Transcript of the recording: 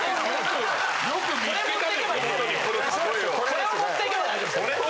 これを持っていけばいいですよ。